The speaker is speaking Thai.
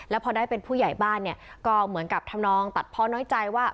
แล้วพอได้เป็นผู้ใหญ่บ้านเนี่ยก็เหมือนกับทำนองตัดเพราะน้อยใจว่า